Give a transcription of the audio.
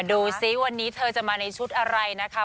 ดูสิวันนี้เธอจะมาในชุดอะไรนะคะ